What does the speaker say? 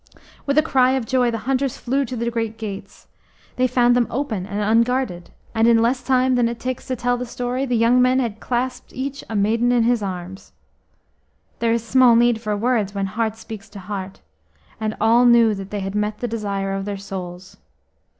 With a cry of joy the hunters flew to the great gates. They found them open and unguarded, and in less time than it takes to tell the story the young men had clasped each a maiden in his arms. There is small need for words when heart speaks to heart, and all knew that they had met the desire of their souls.